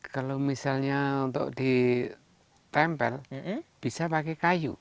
kalau misalnya untuk ditempel bisa pakai kayu